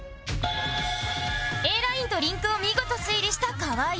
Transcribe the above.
「Ａ ライン」と「リンク」を見事推理した河合